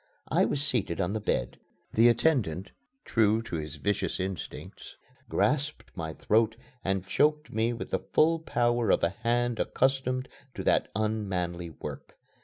I was seated on the bed. The attendant, true to his vicious instincts, grasped my throat and choked me with the full power of a hand accustomed to that unmanly work.